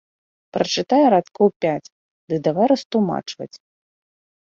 Прачытае радкоў пяць ды давай растлумачваць.